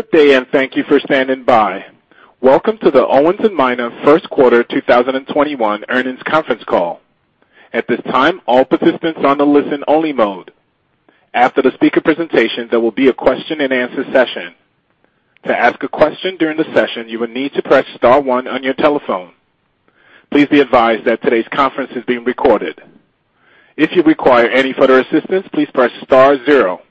Good day. Thank you for standing by. Welcome to the Owens & Minor first quarter 2021 earnings conference call. At this time, all participants are on a listen-only mode. After the speaker presentation, there will be a question and answer session. To ask a question during the session, you will need to press star one on your telephone. Please be advised that today's conference is being recorded. If you require any further assistance, please press star zero.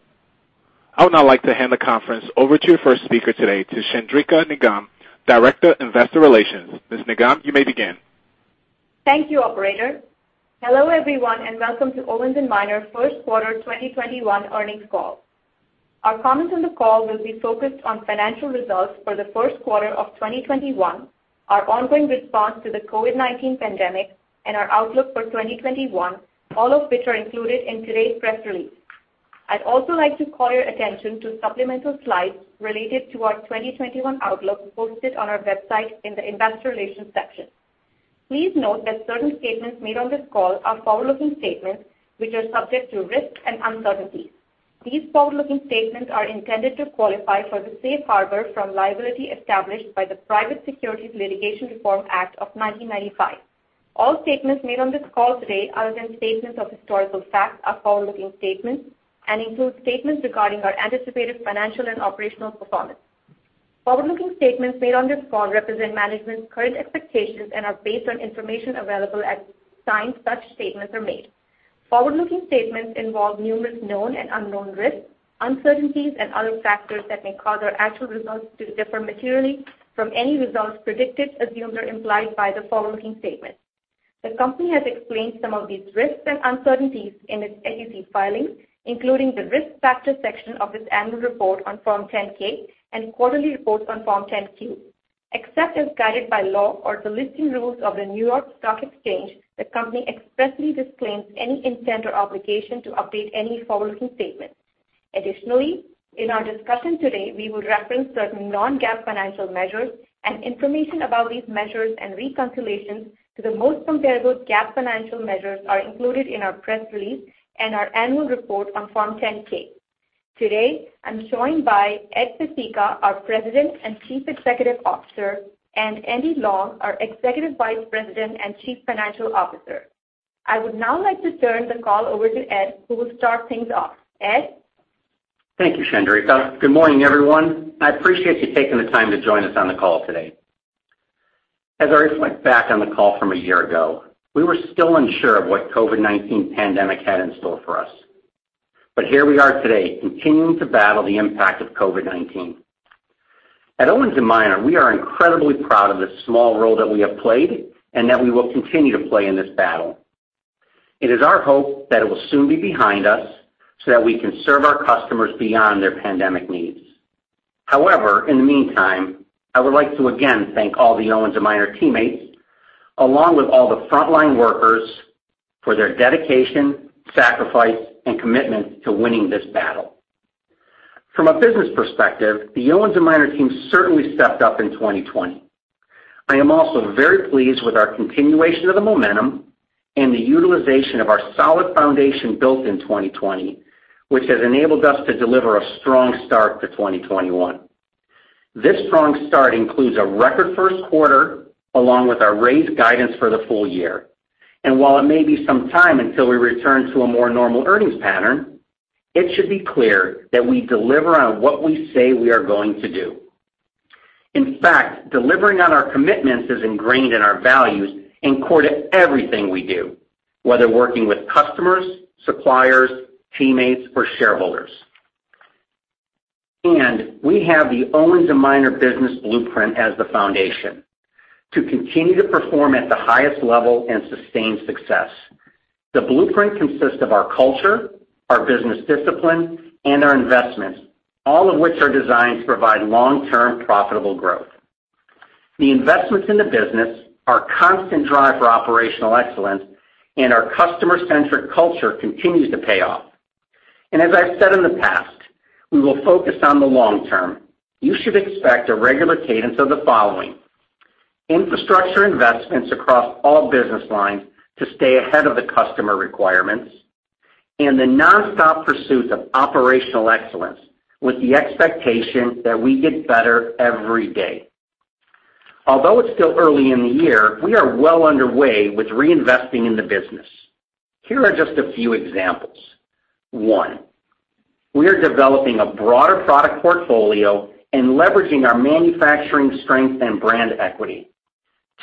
I would now like to hand the conference over to your first speaker today, to Chandrika Nigam, Director of Investor Relations. Ms. Nigam, you may begin. Thank you, operator. Hello, everyone, and welcome to Owens & Minor first quarter 2021 earnings call. Our comments on the call will be focused on financial results for the first quarter of 2021, our ongoing response to the COVID-19 pandemic, and our outlook for 2021, all of which are included in today's press release. I'd also like to call your attention to supplemental slides related to our 2021 outlook, posted on our website in the investor relations section. Please note that certain statements made on this call are forward-looking statements, which are subject to risks and uncertainties. These forward-looking statements are intended to qualify for the safe harbor from liability established by the Private Securities Litigation Reform Act of 1995. All statements made on this call today, other than statements of historical facts, are forward-looking statements and include statements regarding our anticipated financial and operational performance. Forward-looking statements made on this call represent management's current expectations and are based on information available at the time such statements are made. Forward-looking statements involve numerous known and unknown risks, uncertainties, and other factors that may cause our actual results to differ materially from any results predicted, assumed, or implied by the forward-looking statements. The company has explained some of these risks and uncertainties in its SEC filings, including the risk factors section of its annual report on Form 10-K and quarterly reports on Form 10-Q. Except as guided by law or the listing rules of the New York Stock Exchange, the company expressly disclaims any intent or obligation to update any forward-looking statements. In our discussion today, we will reference certain non-GAAP financial measures and information about these measures and reconciliations to the most comparable GAAP financial measures are included in our press release and our annual report on Form 10-K. Today, I'm joined by Ed Pesicka, our President and Chief Executive Officer, and Andy Long, our Executive Vice President and Chief Financial Officer. I would now like to turn the call over to Ed, who will start things off. Ed? Thank you, Chandrika. Good morning, everyone. I appreciate you taking the time to join us on the call today. As I reflect back on the call from a year ago, we were still unsure of what COVID-19 pandemic had in store for us. Here we are today, continuing to battle the impact of COVID-19. At Owens & Minor, we are incredibly proud of the small role that we have played and that we will continue to play in this battle. It is our hope that it will soon be behind us so that we can serve our customers beyond their pandemic needs. However, in the meantime, I would like to again thank all the Owens & Minor teammates, along with all the frontline workers, for their dedication, sacrifice, and commitment to winning this battle. From a business perspective, the Owens & Minor team certainly stepped up in 2020. I am also very pleased with our continuation of the momentum and the utilization of our solid foundation built in 2020, which has enabled us to deliver a strong start to 2021. This strong start includes a record first quarter, along with our raised guidance for the full year. While it may be some time until we return to a more normal earnings pattern, it should be clear that we deliver on what we say we are going to do. In fact, delivering on our commitments is ingrained in our values and core to everything we do, whether working with customers, suppliers, teammates, or shareholders. We have the Owens & Minor business blueprint as the foundation to continue to perform at the highest level and sustain success. The blueprint consists of our culture, our business discipline, and our investments, all of which are designed to provide long-term profitable growth. The investments in the business, our constant drive for operational excellence, and our customer-centric culture continues to pay off. As I've said in the past, we will focus on the long term. You should expect a regular cadence of the following. Infrastructure investments across all business lines to stay ahead of the customer requirements, and the nonstop pursuit of operational excellence with the expectation that we get better every day. Although it's still early in the year, we are well underway with reinvesting in the business. Here are just a few examples. One, we are developing a broader product portfolio and leveraging our manufacturing strength and brand equity.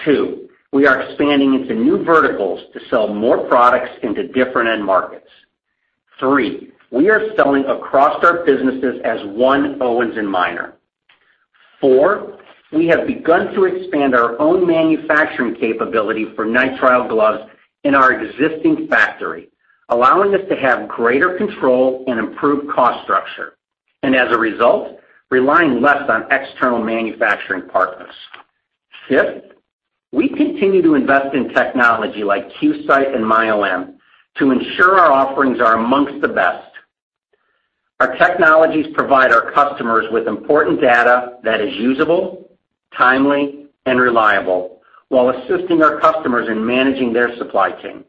Two, we are expanding into new verticals to sell more products into different end markets. Three, we are selling across our businesses as one Owens & Minor. Four, we have begun to expand our own manufacturing capability for nitrile gloves in our existing factory, allowing us to have greater control and improved cost structure. As a result, relying less on external manufacturing partners. Five, we continue to invest in technology like QSight and MyOM to ensure our offerings are amongst the best. Our technologies provide our customers with important data that is usable, timely and reliable, while assisting our customers in managing their supply chain.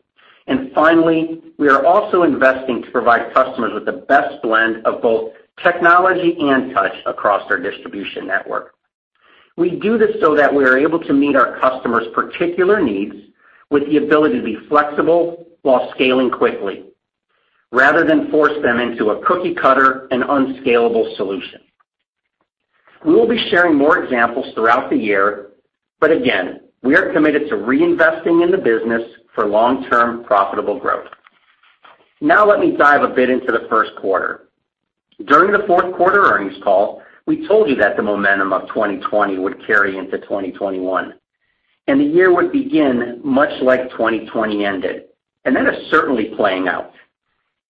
Finally, we are also investing to provide customers with the best blend of both technology and touch across our distribution network. We do this so that we are able to meet our customers' particular needs with the ability to be flexible while scaling quickly, rather than force them into a cookie-cutter and unscalable solution. Again, we are committed to reinvesting in the business for long-term profitable growth. Let me dive a bit into the first quarter. During the fourth quarter earnings call, we told you that the momentum of 2020 would carry into 2021. The year would begin much like 2020 ended, and that is certainly playing out.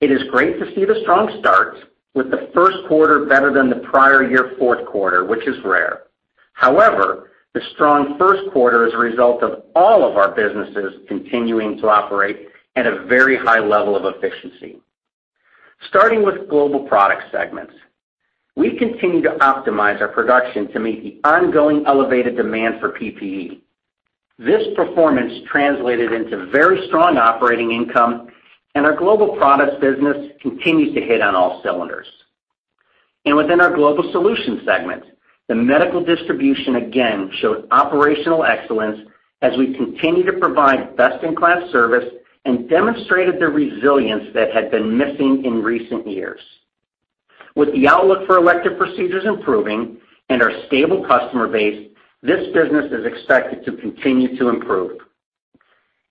It is great to see the strong start with the first quarter better than the prior year fourth quarter, which is rare. However, the strong first quarter is a result of all of our businesses continuing to operate at a very high level of efficiency. Starting with Global Products segments, we continue to optimize our production to meet the ongoing elevated demand for PPE. This performance translated into very strong operating income. Our Global Products business continues to hit on all cylinders. Within our Global Solutions segment, the medical distribution again showed operational excellence as we continue to provide best-in-class service and demonstrated the resilience that had been missing in recent years. With the outlook for elective procedures improving and our stable customer base, this business is expected to continue to improve.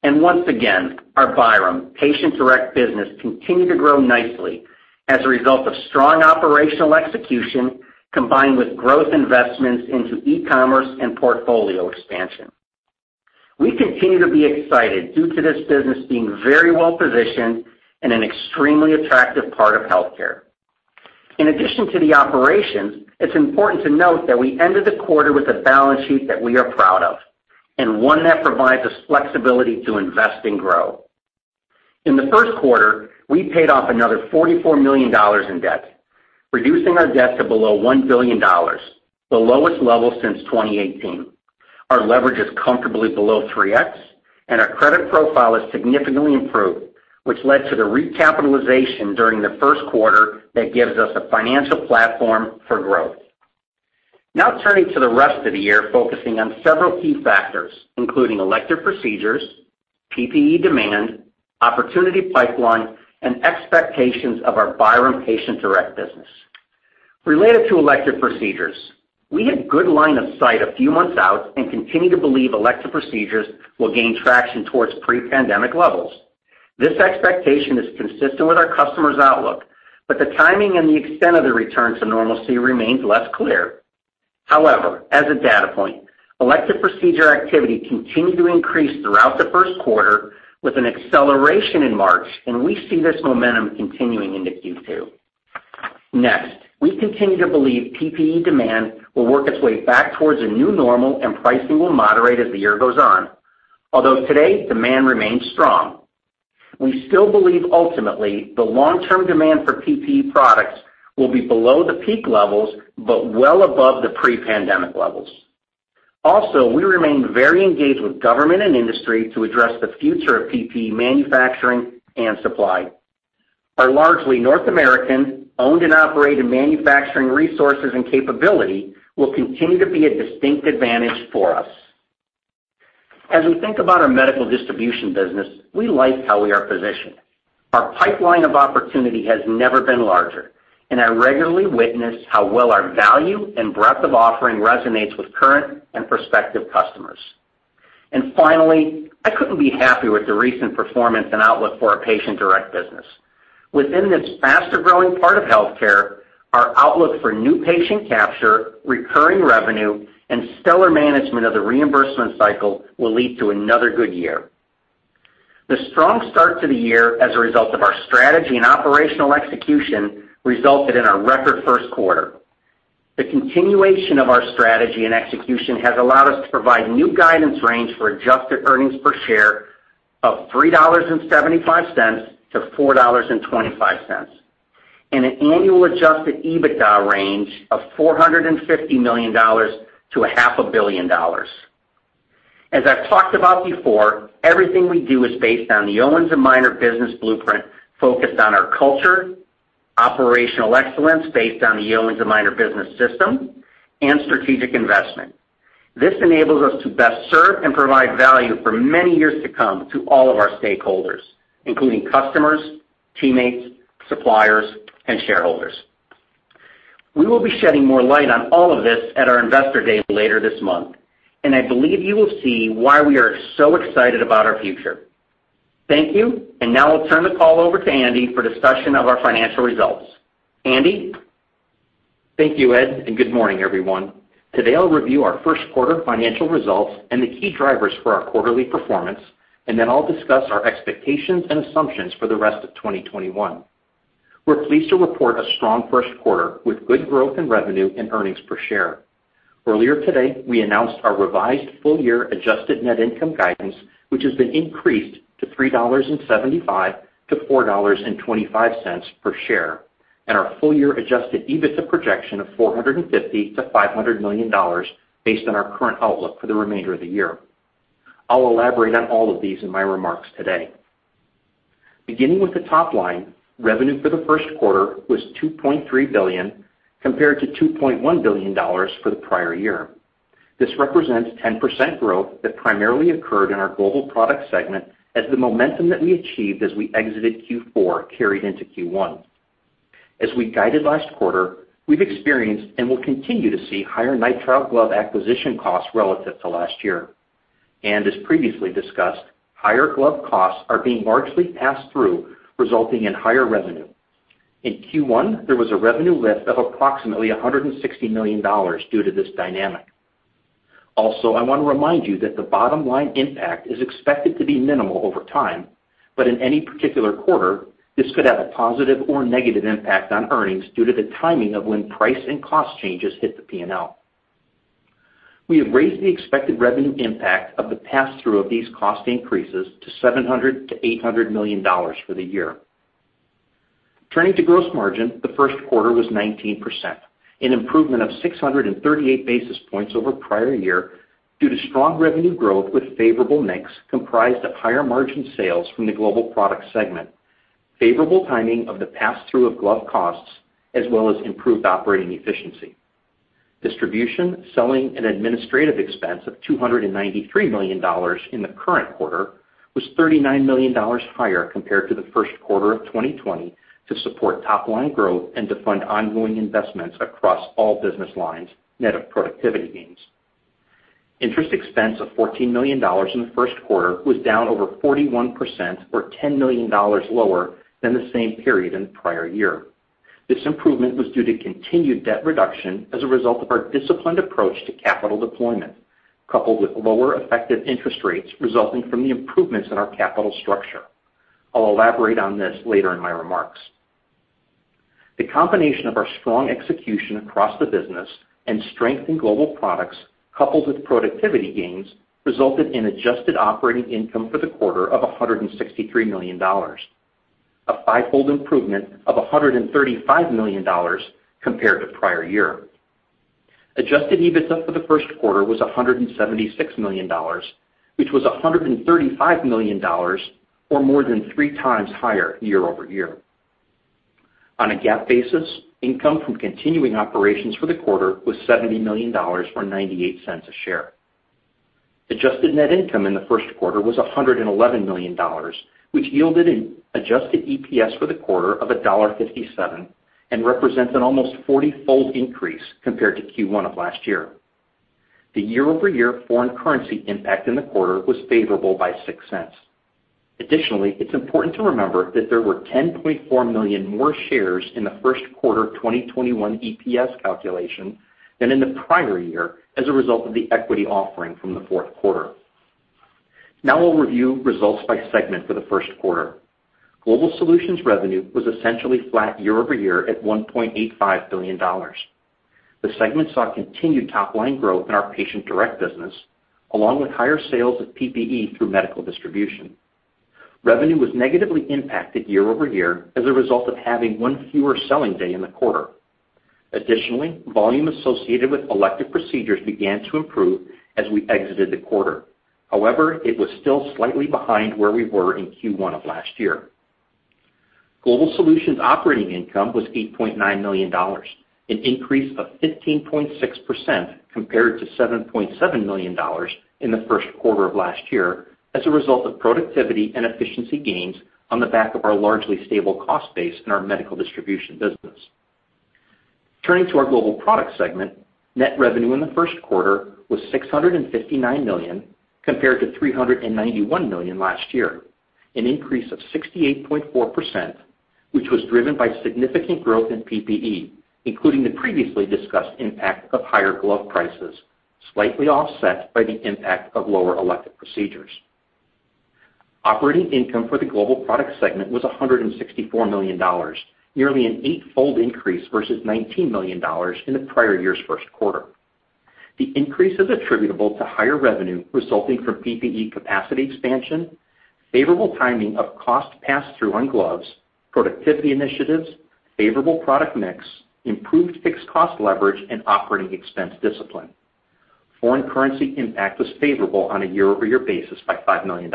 Once again, our Byram patient-direct business continued to grow nicely as a result of strong operational execution combined with growth investments into e-commerce and portfolio expansion. We continue to be excited due to this business being very well-positioned in an extremely attractive part of healthcare. In addition to the operations, it's important to note that we ended the quarter with a balance sheet that we are proud of, and one that provides us flexibility to invest and grow. In the first quarter, we paid off another $44 million in debt, reducing our debt to below $1 billion, the lowest level since 2018. Our leverage is comfortably below 3X, and our credit profile is significantly improved, which led to the recapitalization during the first quarter that gives us a financial platform for growth. Turning to the rest of the year, focusing on several key factors, including elective procedures, PPE demand, opportunity pipeline, and expectations of our Byram patient-direct business. Related to elective procedures, we have good line of sight a few months out and continue to believe elective procedures will gain traction towards pre-pandemic levels. This expectation is consistent with our customers' outlook, the timing and the extent of the return to normalcy remains less clear. As a data point, elective procedure activity continued to increase throughout the first quarter with an acceleration in March, and we see this momentum continuing into Q2. We continue to believe PPE demand will work its way back towards a new normal and pricing will moderate as the year goes on. Today, demand remains strong. We still believe ultimately the long-term demand for PPE products will be below the peak levels but well above the pre-pandemic levels. We remain very engaged with government and industry to address the future of PPE manufacturing and supply. Our largely North American owned and operated manufacturing resources and capability will continue to be a distinct advantage for us. We think about our medical distribution business, we like how we are positioned. Our pipeline of opportunity has never been larger, and I regularly witness how well our value and breadth of offering resonates with current and prospective customers. Finally, I couldn't be happier with the recent performance and outlook for our patient-direct business. Within this faster-growing part of healthcare, our outlook for new patient capture, recurring revenue, and stellar management of the reimbursement cycle will lead to another good year. The strong start to the year as a result of our strategy and operational execution resulted in our record first quarter. The continuation of our strategy and execution has allowed us to provide new guidance range for adjusted earnings per share of $3.75-$4.25, and an annual adjusted EBITDA range of $450 million-$0.5 billion. As I've talked about before, everything we do is based on the Owens & Minor business blueprint focused on our culture, operational excellence based on the Owens & Minor business system, and strategic investment. This enables us to best serve and provide value for many years to come to all of our stakeholders, including customers, teammates, suppliers, and shareholders. We will be shedding more light on all of this at our investor day later this month, and I believe you will see why we are so excited about our future. Thank you, and now I'll turn the call over to Andy for discussion of our financial results. Andy? Thank you, Ed, good morning, everyone. Today, I'll review our first quarter financial results and the key drivers for our quarterly performance, then I'll discuss our expectations and assumptions for the rest of 2021. We're pleased to report a strong first quarter with good growth in revenue and earnings per share. Earlier today, we announced our revised full-year adjusted net income guidance, which has been increased to $3.75-$4.25 per share. Our full-year adjusted EBITDA projection of $450 million-$500 million based on our current outlook for the remainder of the year. I'll elaborate on all of these in my remarks today. Beginning with the top line, revenue for the first quarter was $2.3 billion, compared to $2.1 billion for the prior year. This represents 10% growth that primarily occurred in our global products segment as the momentum that we achieved as we exited Q4 carried into Q1. As we guided last quarter, we've experienced and will continue to see higher nitrile glove acquisition costs relative to last year. As previously discussed, higher glove costs are being largely passed through, resulting in higher revenue. In Q1, there was a revenue lift of approximately $160 million due to this dynamic. Also, I want to remind you that the bottom-line impact is expected to be minimal over time, but in any particular quarter, this could have a positive or negative impact on earnings due to the timing of when price and cost changes hit the P&L. We have raised the expected revenue impact of the pass-through of these cost increases to $700 million-$800 million for the year. Turning to gross margin, the first quarter was 19%, an improvement of 638 basis points over prior year due to strong revenue growth with favorable mix comprised of higher margin sales from the Global Products segment, favorable timing of the pass-through of glove costs, as well as improved operating efficiency. Distribution, selling, and administrative expense of $293 million in the current quarter was $39 million higher compared to the first quarter of 2020 to support top-line growth and to fund ongoing investments across all business lines, net of productivity gains. Interest expense of $14 million in the first quarter was down over 41%, or $10 million lower than the same period in the prior year. This improvement was due to continued debt reduction as a result of our disciplined approach to capital deployment, coupled with lower effective interest rates resulting from the improvements in our capital structure. I'll elaborate on this later in my remarks. The combination of our strong execution across the business and strength in Global Products, coupled with productivity gains, resulted in adjusted operating income for the quarter of $163 million, a five-fold improvement of $135 million compared to prior year. Adjusted EBITDA for the first quarter was $176 million, which was $135 million, or more than three times higher year-over-year. On a GAAP basis, income from continuing operations for the quarter was $70 million, or $0.98 a share. Adjusted net income in the first quarter was $111 million, which yielded an adjusted EPS for the quarter of $1.57. Represents an almost 40-fold increase compared to Q1 of last year. The year-over-year foreign currency impact in the quarter was favorable by $0.06. Additionally, it's important to remember that there were 10.4 million more shares in the first quarter 2021 EPS calculation than in the prior year as a result of the equity offering from the fourth quarter. Now we'll review results by segment for the first quarter. Global Solutions revenue was essentially flat year-over-year at $1.85 billion. The segment saw continued top-line growth in our patient direct business, along with higher sales of PPE through Medical Distribution. Revenue was negatively impacted year-over-year as a result of having one fewer selling day in the quarter. Additionally, volume associated with elective procedures began to improve as we exited the quarter. However, it was still slightly behind where we were in Q1 of last year. Global Solutions operating income was $8.9 million, an increase of 15.6% compared to $7.7 million in the first quarter of last year as a result of productivity and efficiency gains on the back of our largely stable cost base in our Medical Distribution business. Turning to our Global Products segment, net revenue in the first quarter was $659 million compared to $391 million last year, an increase of 68.4%, which was driven by significant growth in PPE, including the previously discussed impact of higher glove prices, slightly offset by the impact of lower elective procedures. Operating income for the Global Products segment was $164 million, nearly an eight-fold increase versus $19 million in the prior year's first quarter. The increase is attributable to higher revenue resulting from PPE capacity expansion, favorable timing of cost pass-through on gloves, productivity initiatives, favorable product mix, improved fixed cost leverage, and operating expense discipline. Foreign currency impact was favorable on a year-over-year basis by $5 million.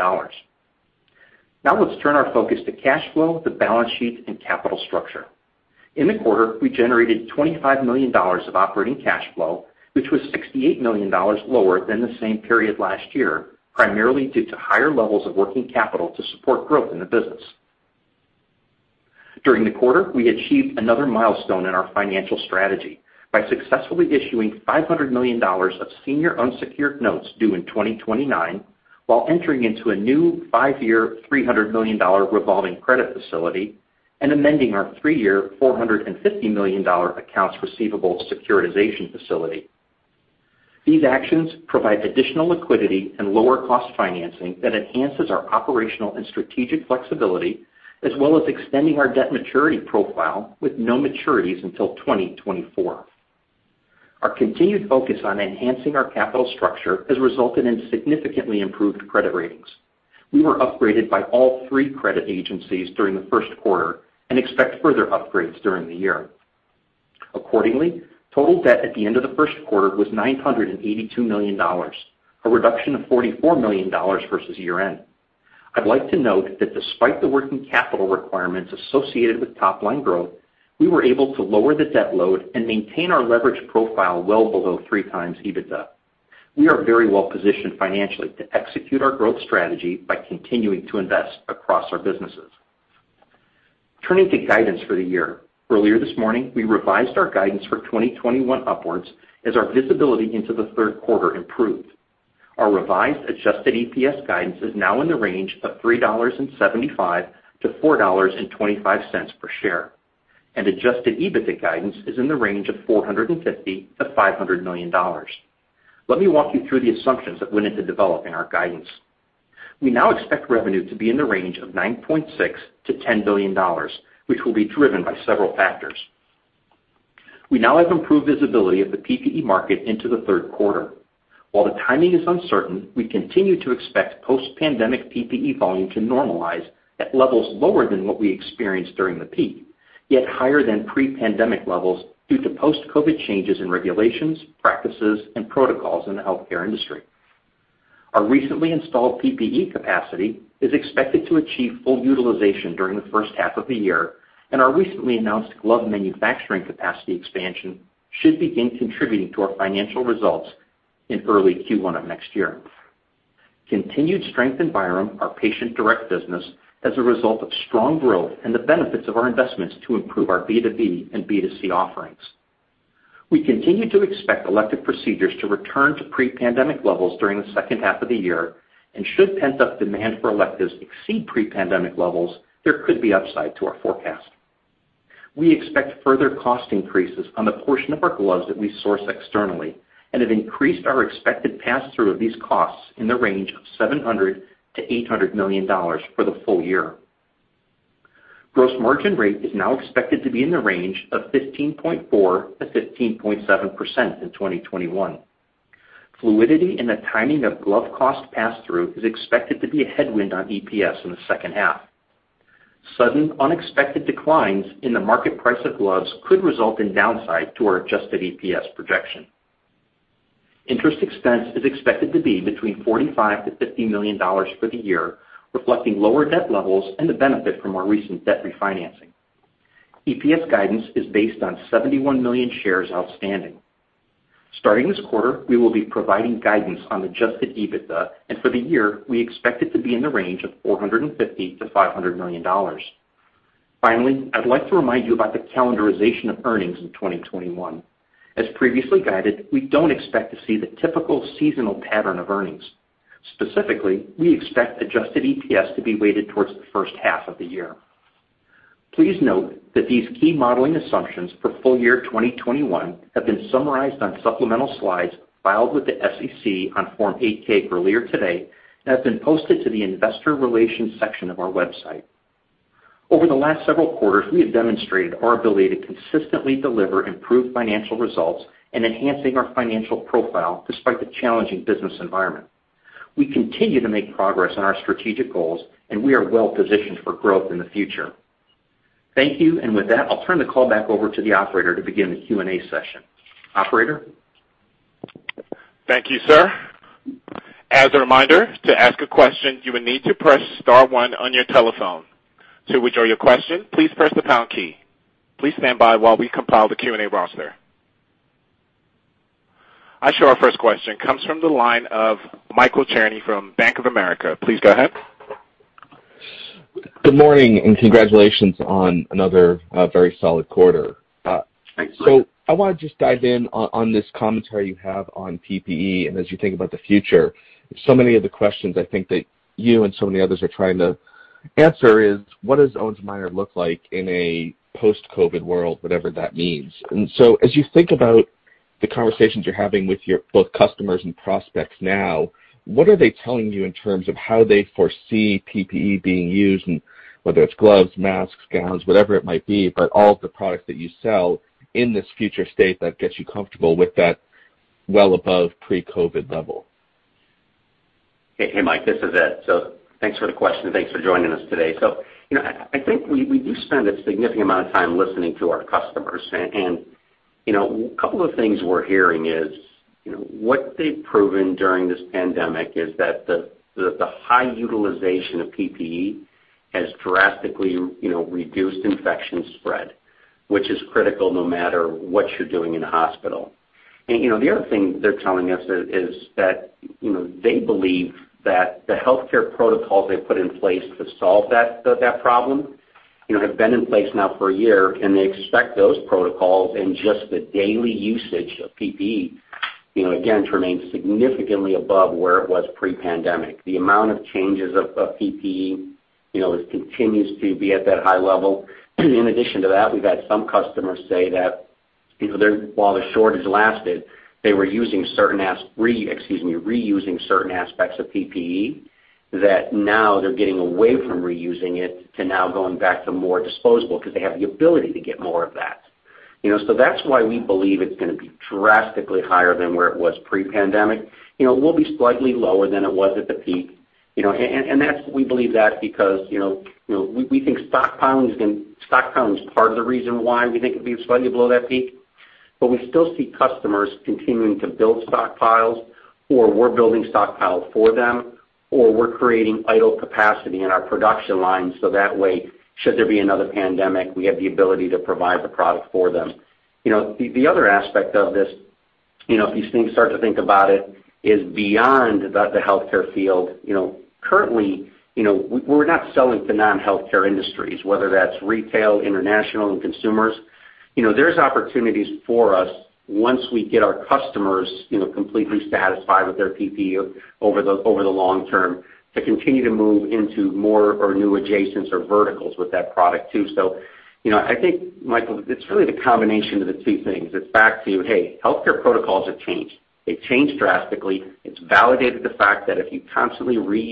Let's turn our focus to cash flow, the balance sheet, and capital structure. In the quarter, we generated $25 million of operating cash flow, which was $68 million lower than the same period last year, primarily due to higher levels of working capital to support growth in the business. During the quarter, we achieved another milestone in our financial strategy by successfully issuing $500 million of senior unsecured notes due in 2029 while entering into a new five-year, $300 million revolving credit facility and amending our three-year, $450 million accounts receivable securitization facility. These actions provide additional liquidity and lower cost financing that enhances our operational and strategic flexibility, as well as extending our debt maturity profile with no maturities until 2024. Our continued focus on enhancing our capital structure has resulted in significantly improved credit ratings. We were upgraded by all three credit agencies during the first quarter and expect further upgrades during the year. Accordingly, total debt at the end of the first quarter was $982 million, a reduction of $44 million versus year-end. I'd like to note that despite the working capital requirements associated with top-line growth, we were able to lower the debt load and maintain our leverage profile well below three times EBITDA. We are very well-positioned financially to execute our growth strategy by continuing to invest across our businesses. Turning to guidance for the year. Earlier this morning, we revised our guidance for 2021 upwards as our visibility into the third quarter improved. Our revised adjusted EPS guidance is now in the range of $3.75-$4.25 per share, and adjusted EBITDA guidance is in the range of $450 million-$500 million. Let me walk you through the assumptions that went into developing our guidance. We now expect revenue to be in the range of $9.6 billion-$10 billion, which will be driven by several factors. We now have improved visibility of the PPE market into the third quarter. While the timing is uncertain, we continue to expect post-pandemic PPE volume to normalize at levels lower than what we experienced during the peak, yet higher than pre-pandemic levels due to post-COVID-19 changes in regulations, practices, and protocols in the healthcare industry. Our recently installed PPE capacity is expected to achieve full utilization during the first half of the year, and our recently announced glove manufacturing capacity expansion should begin contributing to our financial results in early Q1 of next year. Continued strength in Byram, our patient-direct business, as a result of strong growth and the benefits of our investments to improve our B2B and B2C offerings. We continue to expect elective procedures to return to pre-pandemic levels during the second half of the year and should pent-up demand for electives exceed pre-pandemic levels, there could be upside to our forecast. We expect further cost increases on the portion of our gloves that we source externally and have increased our expected pass-through of these costs in the range of $700 million-$800 million for the full year. Gross margin rate is now expected to be in the range of 15.4%-15.7% in 2021. Fluidity in the timing of glove cost pass-through is expected to be a headwind on EPS in the second half. Sudden unexpected declines in the market price of gloves could result in downside to our adjusted EPS projection. Interest expense is expected to be between $45 million-$50 million for the year, reflecting lower debt levels and the benefit from our recent debt refinancing. EPS guidance is based on 71 million shares outstanding. Starting this quarter, we will be providing guidance on adjusted EBITDA, and for the year, we expect it to be in the range of $450 million-$500 million. Finally, I'd like to remind you about the calendarization of earnings in 2021. As previously guided, we don't expect to see the typical seasonal pattern of earnings. Specifically, we expect adjusted EPS to be weighted towards the first half of the year. Please note that these key modeling assumptions for full year 2021 have been summarized on supplemental slides filed with the SEC on Form 8-K earlier today and have been posted to the investor relations section of our website. Over the last several quarters, we have demonstrated our ability to consistently deliver improved financial results and enhancing our financial profile despite the challenging business environment. We continue to make progress on our strategic goals, and we are well-positioned for growth in the future. Thank you, and with that, I'll turn the call back over to the operator to begin the Q&A session. Operator? Thank you, sir. As a reminder to ask a question you will need to press star one on your telephone. To withdraw your question please press the pound key. Please stand by while we compile the Q&A roster. I show our first question comes from the line of Michael Cherny from Bank of America. Please go ahead. Good morning, and congratulations on another very solid quarter. Thanks. I want to just dive in on this commentary you have on PPE and as you think about the future. So many of the questions I think that you and so many others are trying to answer is, what does Owens & Minor look like in a post-COVID world, whatever that means? As you think about the conversations you're having with your both customers and prospects now, what are they telling you in terms of how they foresee PPE being used? Whether it's gloves, masks, gowns, whatever it might be, but all of the products that you sell in this future state that gets you comfortable with that well above pre-COVID level. Hey, Michael, this is Ed. Thanks for the question. Thanks for joining us today. I think we do spend a significant amount of time listening to our customers. A couple of things we're hearing is, what they've proven during this pandemic is that the high utilization of PPE has drastically reduced infection spread, which is critical no matter what you're doing in a hospital. The other thing they're telling us is that they believe that the healthcare protocols they put in place to solve that problem have been in place now for a year, and they expect those protocols and just the daily usage of PPE, again, to remain significantly above where it was pre-pandemic. The amount of changes of PPE continues to be at that high level. In addition to that, we've had some customers say that while the shortage lasted They were reusing certain aspects of PPE that now they're getting away from reusing it to now going back to more disposable because they have the ability to get more of that. That's why we believe it's going to be drastically higher than where it was pre-pandemic. It will be slightly lower than it was at the peak. We believe that because, we think stockpiling is part of the reason why we think it'd be slightly below that peak, but we still see customers continuing to build stockpiles, or we're building stockpile for them, or we're creating idle capacity in our production line so that way, should there be another pandemic, we have the ability to provide the product for them. The other aspect of this, if you start to think about it, is beyond the healthcare field. Currently, we're not selling to non-healthcare industries, whether that's retail, international, and consumers. There's opportunities for us once we get our customers completely satisfied with their PPE over the long term, to continue to move into more or new adjacents or verticals with that product too. I think, Michael, it's really the combination of the two things. It's back to, hey, healthcare protocols have changed. They've changed drastically. It's validated the fact that if you constantly use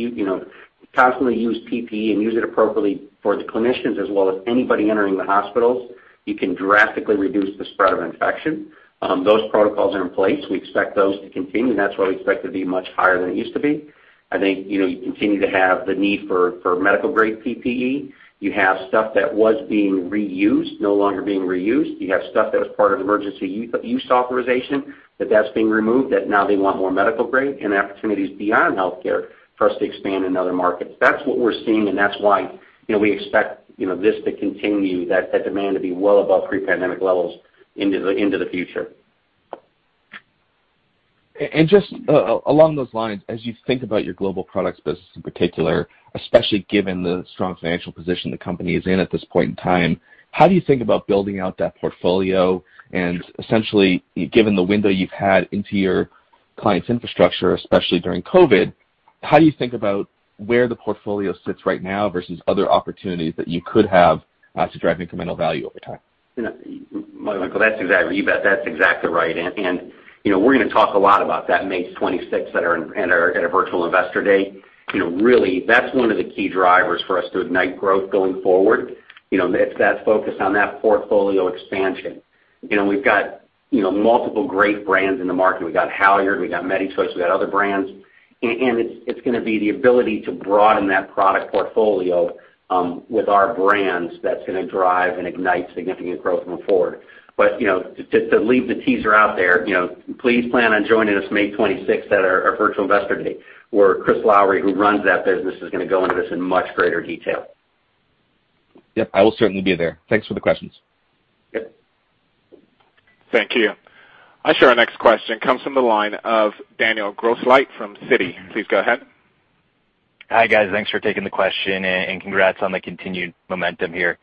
PPE and use it appropriately for the clinicians as well as anybody entering the hospitals, you can drastically reduce the spread of infection. Those protocols are in place. We expect those to continue, and that's why we expect to be much higher than it used to be. I think, you continue to have the need for medical-grade PPE. You have stuff that was being reused no longer being reused. You have stuff that was part of Emergency Use Authorization, that that's being removed, that now they want more medical grade and opportunities beyond healthcare for us to expand in other markets. That's what we're seeing, and that's why we expect this to continue, that demand to be well above pre-pandemic levels into the future. Just along those lines, as you think about your global products business in particular, especially given the strong financial position the company is in at this point in time, how do you think about building out that portfolio and essentially, given the window you've had into your client's infrastructure, especially during COVID, how do you think about where the portfolio sits right now versus other opportunities that you could have to drive incremental value over time? Michael, you bet. That's exactly right. We're going to talk a lot about that May 26th at our Virtual Investor Day. Really, that's one of the key drivers for us to ignite growth going forward. That's focused on that portfolio expansion. We've got multiple great brands in the market. We've got Halyard, we've got MediChoice, we've got other brands, and it's going to be the ability to broaden that product portfolio, with our brands, that's going to drive and ignite significant growth going forward. To leave the teaser out there, please plan on joining us May 26th at our Virtual Investor Day, where Chris Lowery, who runs that business, is going to go into this in much greater detail. Yep, I will certainly be there. Thanks for the questions. Yep. Thank you. I show our next question comes from the line of Daniel Grosslight from Citi. Please go ahead. Hi, guys. Thanks for taking the question, and congrats on the continued momentum here.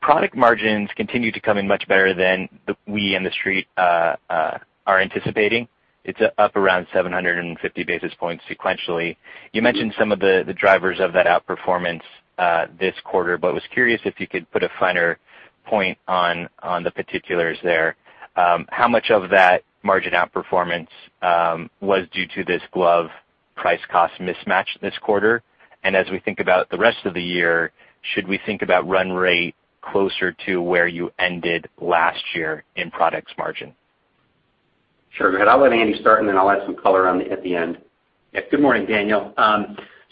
Product margins continue to come in much better than we in the street are anticipating. It's up around 750 basis points sequentially. You mentioned some of the drivers of that outperformance this quarter, but was curious if you could put a finer point on the particulars there. How much of that margin outperformance was due to this glove price-cost mismatch this quarter? As we think about the rest of the year, should we think about run rate closer to where you ended last year in products margin? Sure. Go ahead. I'll let Andy start, and then I'll add some color on at the end. Yeah. Good morning, Daniel.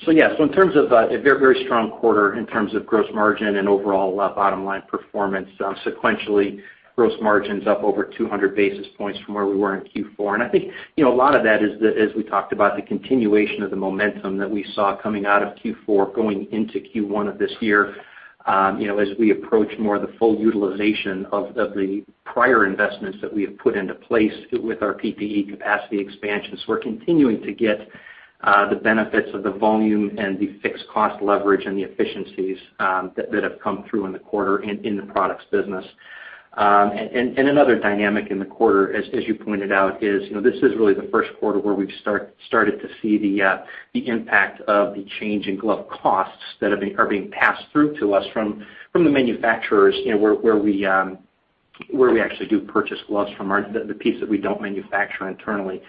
Yes, in terms of a very strong quarter in terms of gross margin and overall bottom-line performance. Sequentially, gross margin's up over 200 basis points from where we were in Q4. I think, a lot of that is, as we talked about, the continuation of the momentum that we saw coming out of Q4 going into Q1 of this year. As we approach more of the full utilization of the prior investments that we have put into place with our PPE capacity expansions, we're continuing to get the benefits of the volume and the fixed cost leverage and the efficiencies that have come through in the quarter in the products business. Another dynamic in the quarter, as you pointed out, is this is really the first quarter where we've started to see the impact of the change in glove costs that are being passed through to us from the manufacturers, where we actually do purchase gloves from the piece that we don't manufacture internally.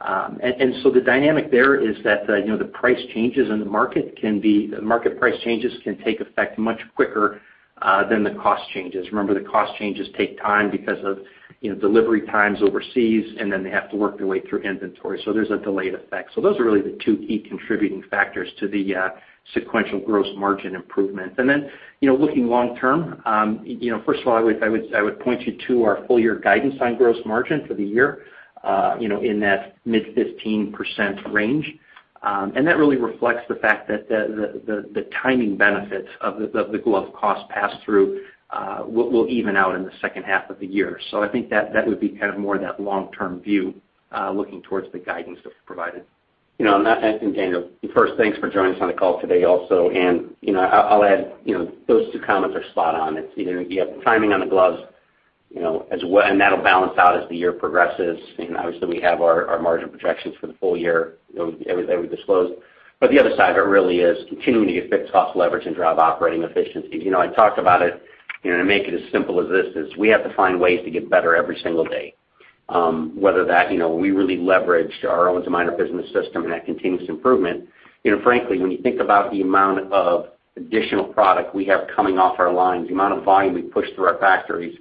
The dynamic there is that the market price changes can take effect much quicker than the cost changes. Remember, the cost changes take time because of delivery times overseas, and then they have to work their way through inventory. There's a delayed effect. Those are really the two key contributing factors to the sequential gross margin improvement. Looking long term, first of all, I would point you to our full-year guidance on gross margin for the year, in that mid-15% range. That really reflects the fact that the timing benefits of the glove cost pass-through will even out in the second half of the year. I think that would be kind of more that long-term view, looking towards the guidance that we provided. Daniel, first, thanks for joining us on the call today also. I'll add, those two comments are spot on. It's either you have timing on the gloves, and that'll balance out as the year progresses. Obviously, we have our margin projections for the full year that we disclosed. The other side of it really is continuing to get fixed cost leverage and drive operating efficiencies. I talked about it. To make it as simple as this is, we have to find ways to get better every single day. Whether we really leveraged our Owens & Minor business system and that continuous improvement. Frankly, when you think about the amount of additional product we have coming off our lines, the amount of volume we push through our factories,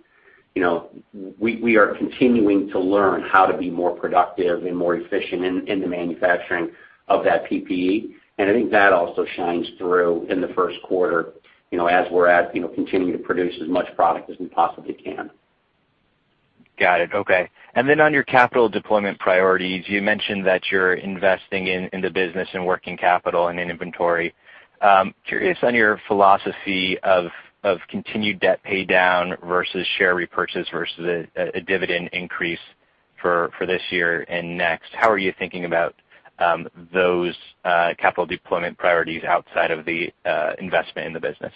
we are continuing to learn how to be more productive and more efficient in the manufacturing of that PPE. I think that also shines through in the first quarter, as we're continuing to produce as much product as we possibly can. Got it. Okay. On your capital deployment priorities, you mentioned that you're investing in the business and working capital and in inventory. I'm curious on your philosophy of continued debt pay down versus share repurchase versus a dividend increase for this year and next. How are you thinking about those capital deployment priorities outside of the investment in the business?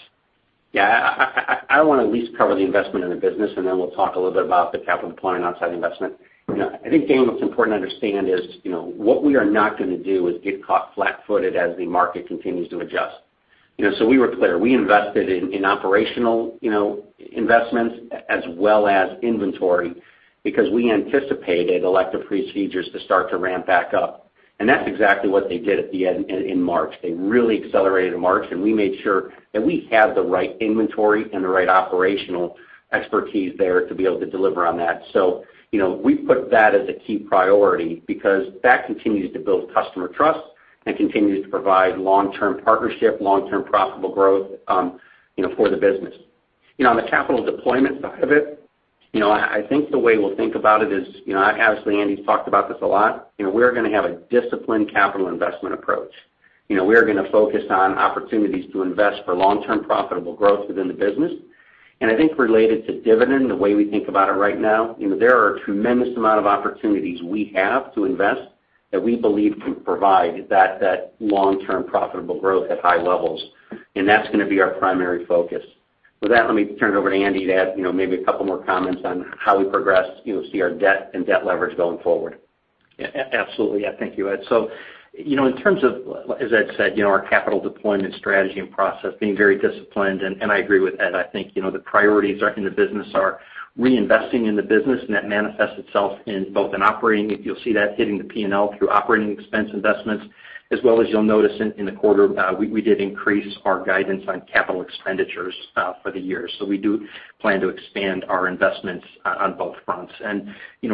Yeah. I want to at least cover the investment in the business. Then we'll talk a little bit about the capital deployment outside investment. I think, Daniel, what's important to understand is, what we are not going to do is get caught flat-footed as the market continues to adjust. We were clear. We invested in operational investments as well as inventory because we anticipated elective procedures to start to ramp back up. That's exactly what they did at the end in March. They really accelerated in March, and we made sure that we had the right inventory and the right operational expertise there to be able to deliver on that. We put that as a key priority because that continues to build customer trust and continues to provide long-term partnership, long-term profitable growth, for the business. On the capital deployment side of it, I think the way we'll think about it is, honestly, Andy's talked about this a lot, we're going to have a disciplined capital investment approach. We are going to focus on opportunities to invest for long-term profitable growth within the business. I think related to dividend, the way we think about it right now, there are a tremendous amount of opportunities we have to invest that we believe can provide that long-term profitable growth at high levels, and that's going to be our primary focus. With that, let me turn it over to Andy to add maybe a couple more comments on how we progress, see our debt and debt leverage going forward. Absolutely. Thank you, Ed. In terms of, as Ed said, our capital deployment strategy and process being very disciplined, and I agree with Ed, I think the priorities in the business are reinvesting in the business, and that manifests itself in both in operating. You'll see that hitting the P&L through operating expense investments, as well as you'll notice in the quarter, we did increase our guidance on capital expenditures for the year. We do plan to expand our investments on both fronts.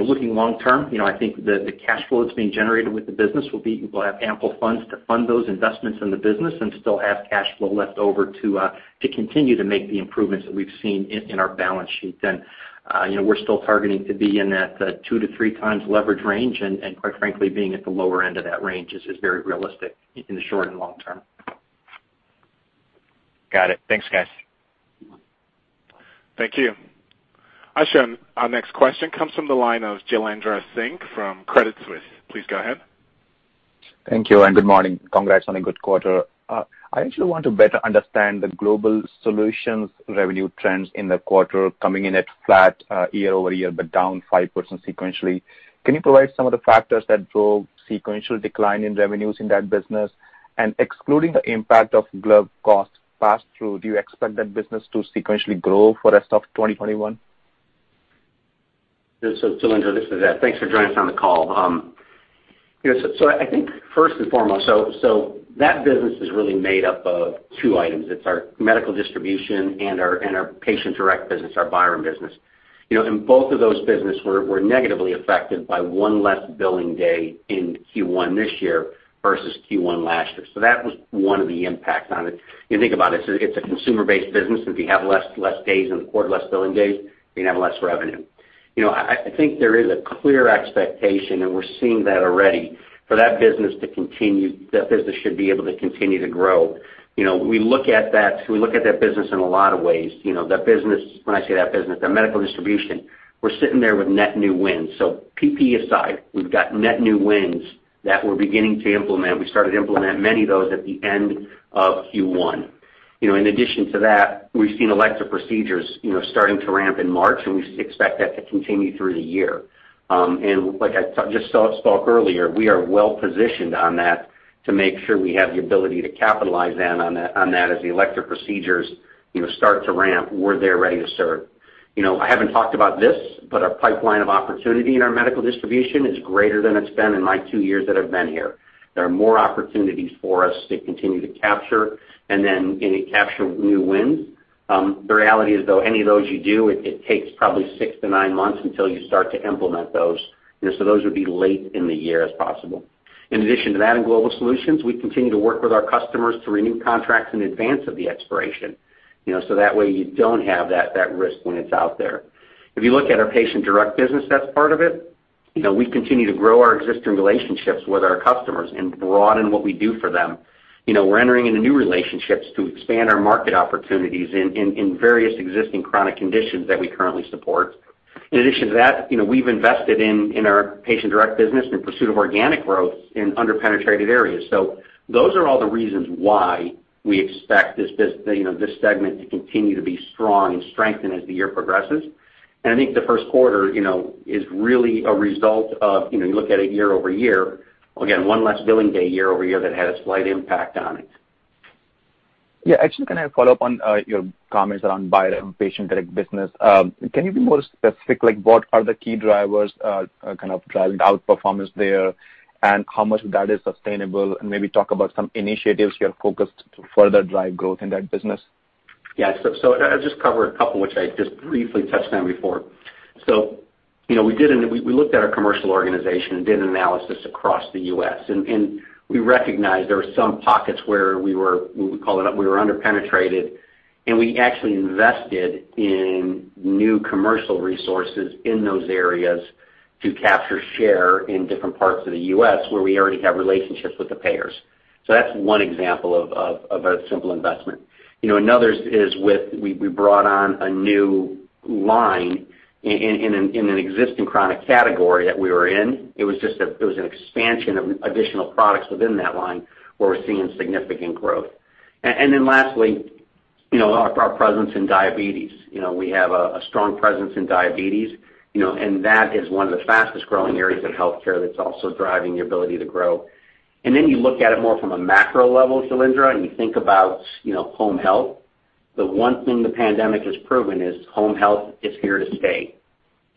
Looking long term, I think the cash flow that's being generated with the business will have ample funds to fund those investments in the business and still have cash flow left over to continue to make the improvements that we've seen in our balance sheets. We're still targeting to be in that two times-three times leverage range, and quite frankly, being at the lower end of that range is very realistic in the short and long term. Got it. Thanks, guys. Thank you. I show, our next question comes from the line of Jailendra Singh from Credit Suisse. Please go ahead. Thank you. Good morning. Congrats on a good quarter. I actually want to better understand the Global Solutions revenue trends in the quarter coming in at flat year-over-year, but down 5% sequentially. Can you provide some of the factors that drove sequential decline in revenues in that business? Excluding the impact of glove cost pass-through, do you expect that business to sequentially grow for rest of 2021? Jailendra, this is Ed. Thanks for joining us on the call. I think first and foremost, that business is really made up of two items. It's our medical distribution and our patient-direct business, our Byram business. In both of those business, we're negatively affected by one less billing day in Q1 this year versus Q1 last year. That was one of the impact on it. You think about it's a consumer-based business, and if you have less days in the quarter, less billing days, you're going to have less revenue. I think there is a clear expectation, and we're seeing that already, for that business to continue, that business should be able to continue to grow. We look at that business in a lot of ways. That business, when I say that business, the medical distribution, we're sitting there with net new wins. PPE aside, we've got net new wins that we're beginning to implement. We started to implement many of those at the end of Q1. In addition to that, we've seen elective procedures starting to ramp in March, and we expect that to continue through the year. Like I just spoke earlier, we are well-positioned on that to make sure we have the ability to capitalize on that as the elective procedures start to ramp, we're there ready to serve. I haven't talked about this, but our pipeline of opportunity in our medical distribution is greater than it's been in my two years that I've been here. There are more opportunities for us to continue to capture and then capture new wins. The reality is, though, any of those you do, it takes probably six months-nine months until you start to implement those. Those would be late in the year as possible. In addition to that, in Global Solutions, we continue to work with our customers to renew contracts in advance of the expiration. That way you don't have that risk when it's out there. If you look at our patient direct business, that's part of it. We continue to grow our existing relationships with our customers and broaden what we do for them. We're entering into new relationships to expand our market opportunities in various existing chronic conditions that we currently support. In addition to that, we've invested in our patient direct business in pursuit of organic growth in under-penetrated areas. Those are all the reasons why we expect this segment to continue to be strong and strengthen as the year progresses. I think the first quarter is really a result of, you look at it year-over-year, again, one less billing day year-over-year that had a slight impact on it. Yeah. Actually, can I follow up on your comments around Byram and patient-direct business? Can you be more specific, like what are the key drivers kind of driving outperformance there, and how much of that is sustainable? Maybe talk about some initiatives you are focused to further drive growth in that business. Yeah. I'll just cover a couple, which I just briefly touched on before. We looked at our commercial organization and did an analysis across the U.S., and we recognized there were some pockets where we were under-penetrated, and we actually invested in new commercial resources in those areas to capture share in different parts of the U.S. where we already have relationships with the payers. That's one example of a simple investment. Another is we brought on a new line in an existing chronic category that we were in. It was an expansion of additional products within that line where we're seeing significant growth. Lastly, our presence in diabetes. We have a strong presence in diabetes, and that is one of the fastest-growing areas of healthcare that's also driving the ability to grow. You look at it more from a macro level, Jailendra, and you think about home health. The one thing the pandemic has proven is home health is here to stay,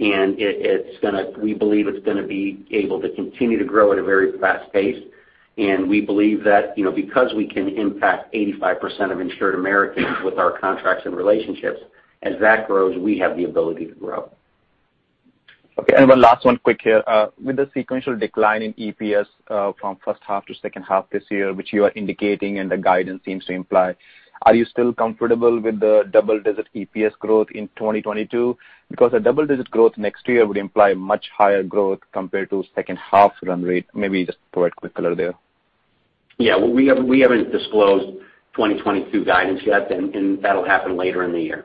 and we believe it's going to be able to continue to grow at a very fast pace. We believe that, because we can impact 85% of insured Americans with our contracts and relationships, as that grows, we have the ability to grow. Okay. One last one quick here. With the sequential decline in EPS from first half to second half this year, which you are indicating and the guidance seems to imply, are you still comfortable with the double-digit EPS growth in 2022? Because a double-digit growth next year would imply much higher growth compared to second half run rate. Maybe just provide quick color there. Yeah. Well, we haven't disclosed 2022 guidance yet, and that'll happen later in the year.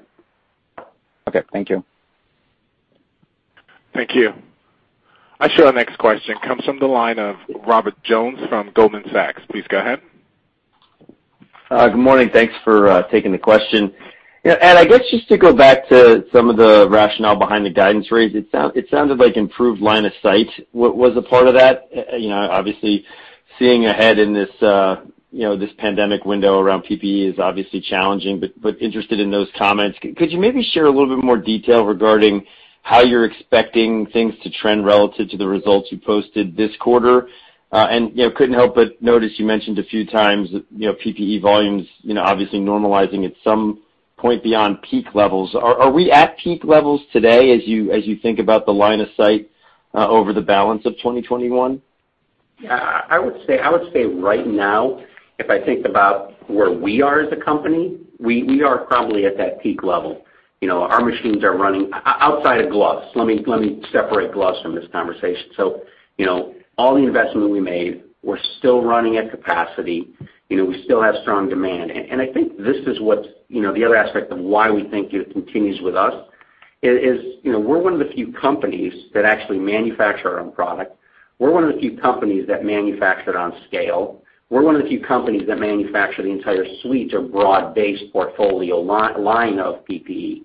Okay. Thank you. Thank you. Our next question comes from the line of Robert Jones from Goldman Sachs. Please go ahead. Good morning. Thanks for taking the question. Ed, I guess just to go back to some of the rationale behind the guidance raise, it sounded like improved line of sight was a part of that. Seeing ahead in this pandemic window around PPE is obviously challenging, but interested in those comments. Could you maybe share a little bit more detail regarding how you're expecting things to trend relative to the results you posted this quarter? Couldn't help but notice you mentioned a few times PPE volumes obviously normalizing at some point beyond peak levels. Are we at peak levels today as you think about the line of sight over the balance of 2021? Yeah. I would say right now, if I think about where we are as a company, we are probably at that peak level. Our machines are running, outside of gloves. Let me separate gloves from this conversation. All the investment we made, we're still running at capacity. We still have strong demand. I think this is the other aspect of why we think it continues with us, is we're one of the few companies that actually manufacture our own product. We're one of the few companies that manufacture it on scale. We're one of the few companies that manufacture the entire suite or broad-based portfolio line of PPE.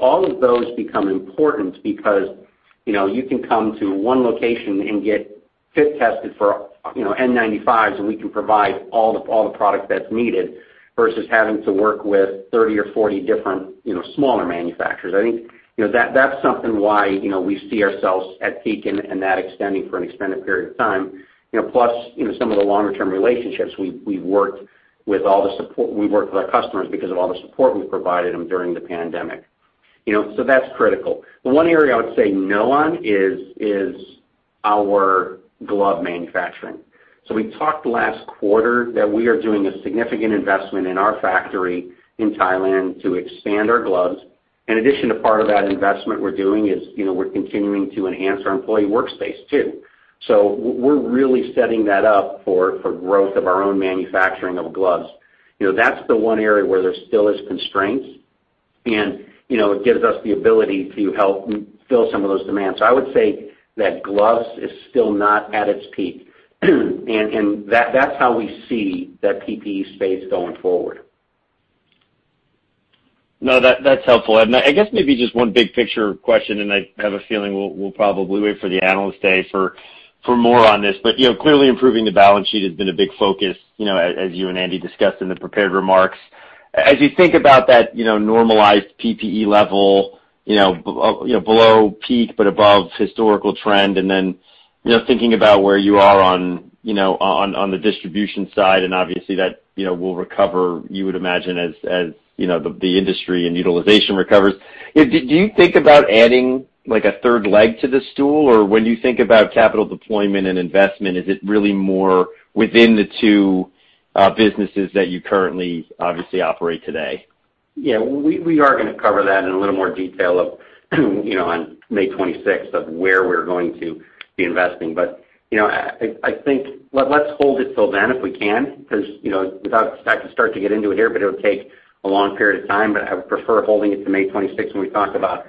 All of those become important because you can come to one location and get fit tested for N95s, and we can provide all the product that's needed, versus having to work with 30 or 40 different smaller manufacturers. I think that's something why we see ourselves at peak and that extending for an extended period of time. Plus, some of the longer-term relationships, we work with our customers because of all the support we've provided them during the pandemic. That's critical. The one area I would say no on is our glove manufacturing. We talked last quarter that we are doing a significant investment in our factory in Thailand to expand our gloves. In addition, a part of that investment we're doing is we're continuing to enhance our employee workspace, too. We're really setting that up for growth of our own manufacturing of gloves. That's the one area where there still is constraints, and it gives us the ability to help fill some of those demands. I would say that gloves is still not at its peak, and that's how we see that PPE space going forward. No, that's helpful. I guess maybe just one big picture question, and I have a feeling we'll probably wait for the Analyst Day for more on this. Clearly improving the balance sheet has been a big focus, as you and Andy discussed in the prepared remarks. As you think about that normalized PPE level, below peak but above historical trend, and then thinking about where you are on the distribution side, and obviously that will recover, you would imagine, as the industry and utilization recovers. Do you think about adding a third leg to the stool? When you think about capital deployment and investment, is it really more within the two businesses that you currently obviously operate today? Yeah, we are going to cover that in a little more detail on May 26th of where we're going to be investing. I think let's hold it till then if we can, because I could start to get into it here, but it would take a long period of time. I would prefer holding it to May 26th when we talk about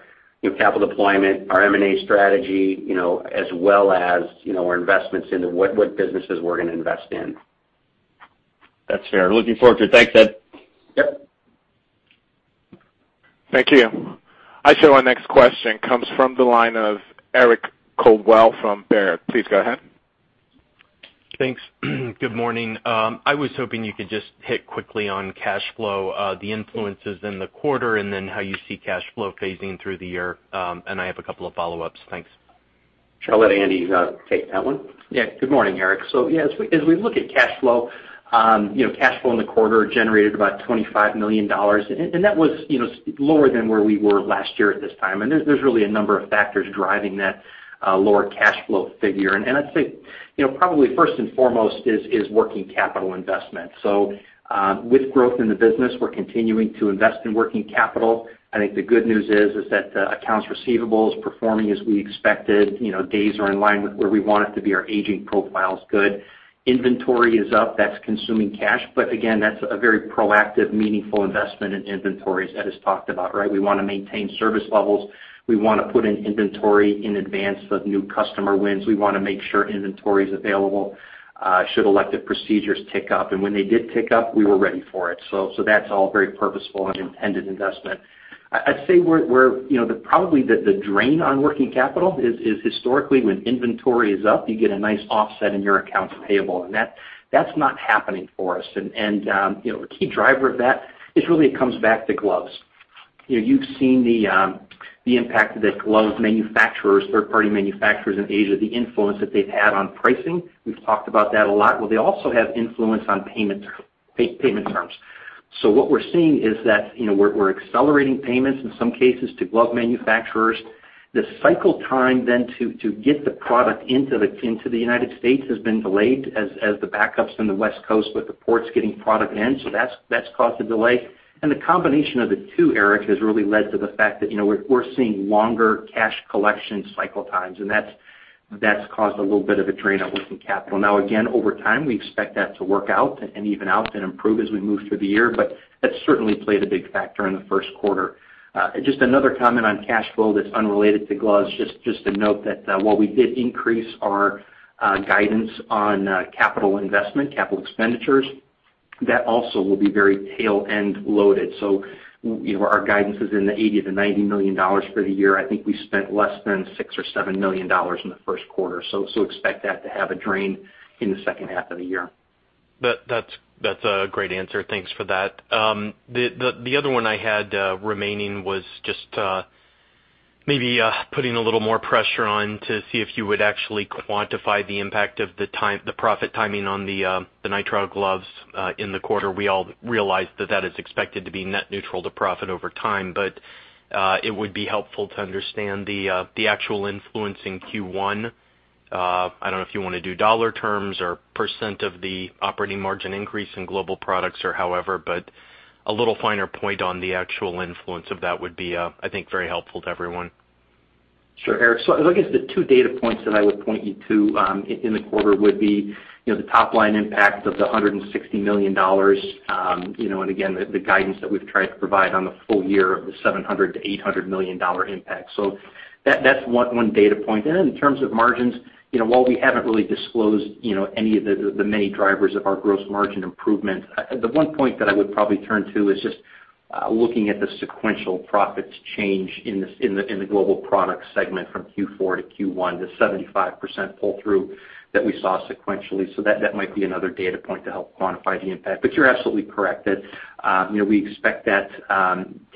capital deployment, our M&A strategy as well as our investments into what businesses we're going to invest in. That's fair. Looking forward to it. Thanks, Ed. Yep. Thank you. I show our next question comes from the line of Eric Coldwell from Baird. Please go ahead. Thanks. Good morning. I was hoping you could just hit quickly on cash flow, the influences in the quarter, and then how you see cash flow phasing through the year. I have a couple of follow-ups. Thanks. Sure. I'll let Andy take that one. Yeah. Good morning, Eric. Yeah, as we look at cash flow in the quarter generated about $25 million. That was lower than where we were last year at this time, and there's really a number of factors driving that lower cash flow figure. I'd say, probably first and foremost is working capital investment. With growth in the business, we're continuing to invest in working capital. I think the good news is that the accounts receivable is performing as we expected. Days are in line with where we want it to be. Our aging profile is good. Inventory is up. That's consuming cash, again, that's a very proactive, meaningful investment in inventories Ed has talked about, right? We want to maintain service levels. We want to put in inventory in advance of new customer wins. We want to make sure inventory's available should elective procedures tick up. When they did tick up, we were ready for it. That's all very purposeful and intended investment. I'd say probably the drain on working capital is historically when inventory is up, you get a nice offset in your accounts payable, and that's not happening for us. The key driver of that is really it comes back to gloves. You've seen the impact that glove manufacturers, third-party manufacturers in Asia, the influence that they've had on pricing. We've talked about that a lot. They also have influence on payment terms. What we're seeing is that we're accelerating payments in some cases to glove manufacturers. The cycle time then to get the product into the United States has been delayed as the backups in the West Coast with the ports getting product in. That's caused a delay. The combination of the two, Eric, has really led to the fact that we're seeing longer cash collection cycle times, and that's caused a little bit of a drain on working capital. Again, over time, we expect that to work out and even out and improve as we move through the year, but that certainly played a big factor in the first quarter. Just another comment on cash flow that's unrelated to gloves, just to note that while we did increase our guidance on capital investment, capital expenditures, that also will be very tail-end loaded. Our guidance is in the $80 million-$90 million for the year. I think we spent less than $6 million or $7 million in the first quarter, expect that to have a drain in the second half of the year. That's a great answer. Thanks for that. The other one I had remaining was just maybe putting a little more pressure on to see if you would actually quantify the impact of the profit timing on the nitrile gloves in the quarter. We all realize that that is expected to be net neutral to profit over time, but it would be helpful to understand the actual influence in Q1. I don't know if you want to do dollar terms or percent of the operating margin increase in Global Products or however, but a little finer point on the actual influence of that would be, I think, very helpful to everyone. Sure, Eric. I guess the two data points that I would point you to in the quarter would be the top-line impact of the $160 million, and again, the guidance that we've tried to provide on the full year of the $700 million-$800 million impact. That's one data point. In terms of margins, while we haven't really disclosed any of the many drivers of our gross margin improvement, the one point that I would probably turn to is just looking at the sequential profits change in the Global Products segment from Q4-Q1, the 75% pull-through that we saw sequentially. That might be another data point to help quantify the impact. You're absolutely correct that we expect that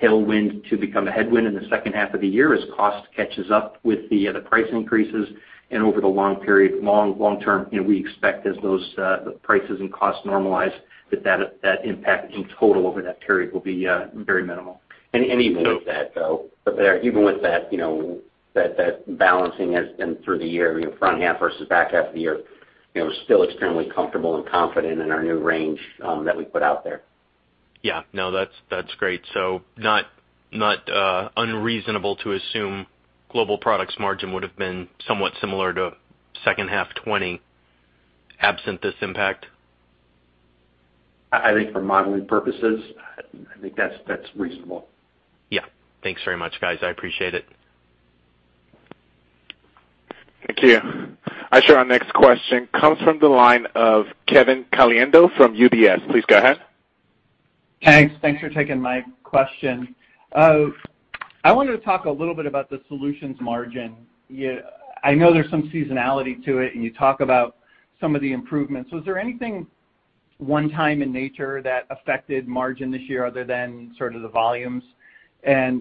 tailwind to become a headwind in the second half of the year as cost catches up with the price increases and over the long term, we expect as those prices and costs normalize, that impact in total over that period will be very minimal. Even with that, though, even with that balancing has been through the year, front half versus back half of the year, we're still extremely comfortable and confident in our new range that we put out there. Yeah. No, that's great. Not unreasonable to assume Global Products margin would've been somewhat similar to second half 2020, absent this impact? I think for modeling purposes, I think that's reasonable. Yeah. Thanks very much, guys. I appreciate it. Thank you. I show our next question comes from the line of Kevin Caliendo from UBS. Please go ahead. Thanks. Thanks for taking my question. I wanted to talk a little bit about the solutions margin. I know there's some seasonality to it, and you talk about some of the improvements. Was there anything one time in nature that affected margin this year other than sort of the volumes?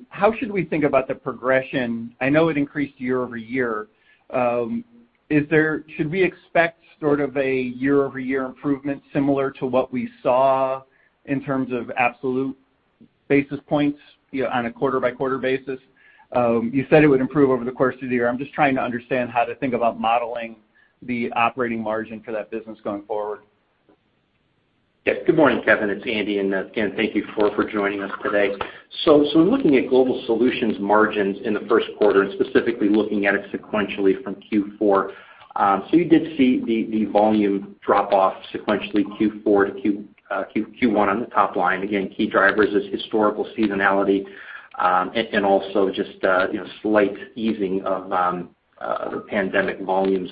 How should we think about the progression? I know it increased year-over-year. Should we expect sort of a year-over-year improvement similar to what we saw in terms of absolute basis points on a quarter-by-quarter basis? You said it would improve over the course of the year. I'm just trying to understand how to think about modeling the operating margin for that business going forward. Yes. Good morning, Kevin. It's Andy, and again, thank you for joining us today. In looking at Global Solutions margins in the first quarter and specifically looking at it sequentially from Q4, you did see the volume drop off sequentially Q4-Q1 on the top line. Again, key drivers is historical seasonality, and also just slight easing of the pandemic volumes.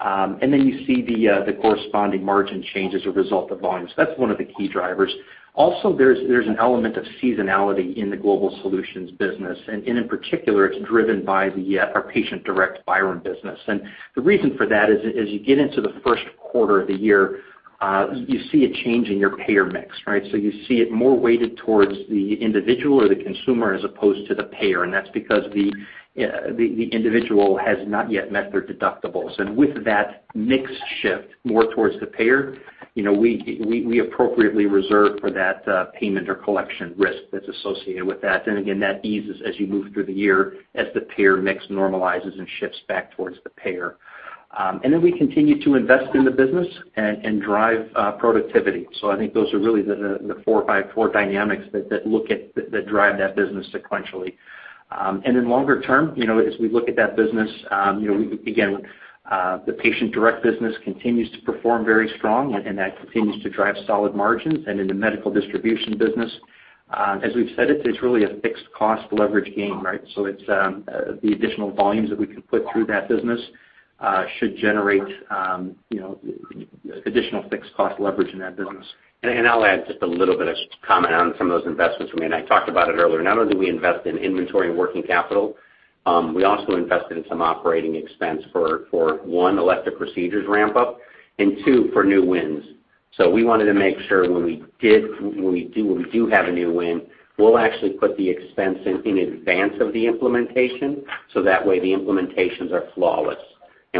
You see the corresponding margin change as a result of volume. That's one of the key drivers. Also, there's an element of seasonality in the Global Solutions business, and in particular, it's driven by our patient direct Byram business. The reason for that is, as you get into the first quarter of the year, you see a change in your payer mix. You see it more weighted towards the individual or the consumer as opposed to the payer, and that's because the individual has not yet met their deductibles. With that mix shift more towards the payer, we appropriately reserve for that payment or collection risk that's associated with that. Again, that eases as you move through the year, as the payer mix normalizes and shifts back towards the payer. We continue to invest in the business and drive productivity. I think those are really the four or five core dynamics that drive that business sequentially. In longer term, as we look at that business, again, the patient direct business continues to perform very strong, and that continues to drive solid margins. In the medical distribution business, as we've said, it's really a fixed cost leverage game. It's the additional volumes that we can put through that business should generate additional fixed cost leverage in that business. I'll add just a little bit of comment on some of those investments. I mean, I talked about it earlier. Not only do we invest in inventory and working capital, we also invested in some operating expense for, one, elective procedures ramp up, and two, for new wins. We wanted to make sure when we do have a new win, we'll actually put the expense in in advance of the implementation, so that way the implementations are flawless.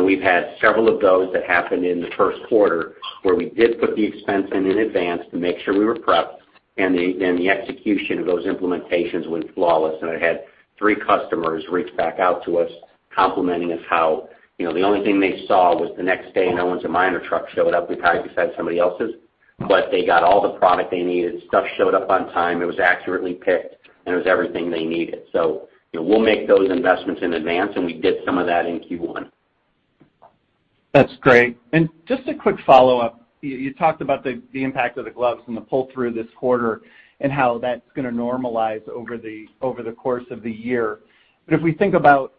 We've had several of those that happened in the first quarter, where we did put the expense in in advance to make sure we were prepped, and the execution of those implementations went flawless. I had three customers reach back out to us, complimenting us how the only thing they saw was the next day, Owens & Minor truck showed up besides somebody else's. But they got all the product they needed. Stuff showed up on time. It was accurately picked. And it was everything they needed. We'll make those investments in advance, and we get some of that in Q1. That's great. And just a quick follow-up. You talked about the impact of the gloves from the pull-through this quarter and how that is going to normalize over the course of the year. If we think about